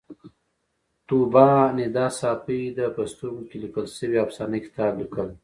طوبا ندا ساپۍ د په سترګو کې لیکل شوې افسانه کتاب لیکلی